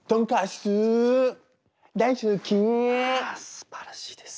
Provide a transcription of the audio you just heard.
すばらしいです。